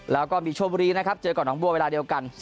แล้วก็มีชมบุรีนะครับเจอกับหนองบัวเวลาเดียวกัน